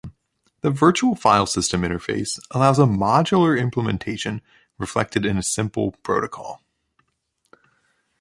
The Virtual File System interface allows a modular implementation, reflected in a simple protocol.